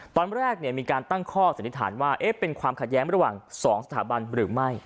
ตอนแรกมีการตั้งข้อสันนิษฐานว่าเป็นความขัดแย้งระหว่าง๒สถาบันหรือไม่